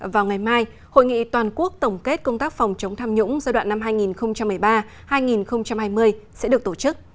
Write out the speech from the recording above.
vào ngày mai hội nghị toàn quốc tổng kết công tác phòng chống tham nhũng giai đoạn năm hai nghìn một mươi ba hai nghìn hai mươi sẽ được tổ chức